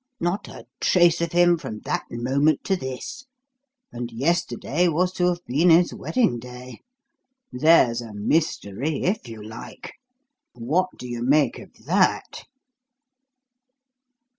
Not a trace of him from that moment to this; and yesterday was to have been his wedding day. There's a 'mystery,' if you like. What do you make of that?"